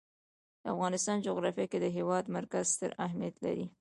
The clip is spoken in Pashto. د افغانستان جغرافیه کې د هېواد مرکز ستر اهمیت لري.